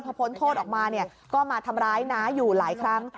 พอพ้นโทษออกมาเนี่ยก็มาทำร้ายน้าอยู่หลายครั้ง